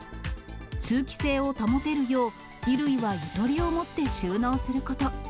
通気性を保てるように、衣類はゆとりをもって収納すること。